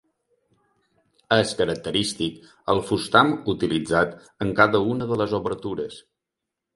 És característic el fustam utilitzat en cada una de les obertures.